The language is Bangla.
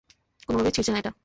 কোনোভাবেই ছিড়ছে না এটা!